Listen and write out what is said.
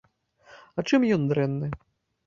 А чым ён дрэнны?